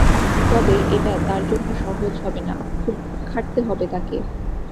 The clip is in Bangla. তবে এটা তাঁর জন্য সহজ হবে না, খুব খাটতে হবে তাঁকে।